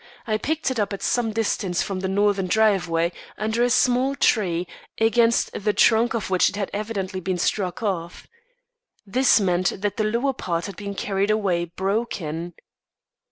I picked it up at some distance from the northern driveway, under a small tree, against the trunk of which it had evidently been struck off. This meant that the lower part had been carried away, broken.